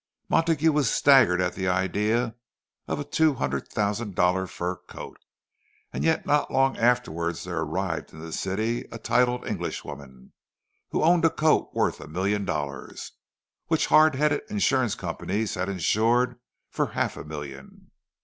Montague was staggered at the idea of a two hundred thousand dollar fur coat; and yet not long afterward there arrived in the city a titled Englishwoman, who owned a coat worth a million dollars, which hard headed insurance companies had insured for half a million.